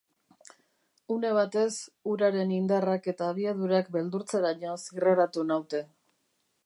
Une batez, uraren indarrak eta abiadurak beldurtzeraino zirraratu naute.